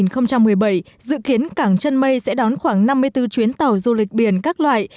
năm hai nghìn một mươi bảy dự kiến cảng chân mây sẽ đón khoảng năm mươi bốn chuyến tàu du lịch biển các loại